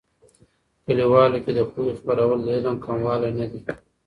کلیوالو کې د پوهې خپرول، د علم کموالی نه دي.